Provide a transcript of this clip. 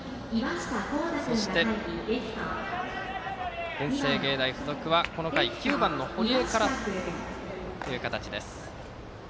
そして、文星芸大付属はこの回、９番の堀江からという形です。